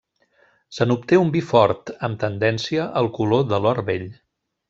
Se n'obté un vi fort, amb tendència al color de l'or vell.